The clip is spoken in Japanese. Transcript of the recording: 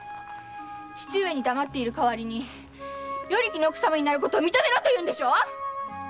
父上に黙っている代わりに与力の奥様になることを認めろと言うんでしょ‼